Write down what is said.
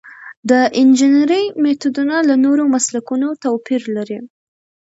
د انجنیری میتودونه له نورو مسلکونو توپیر لري.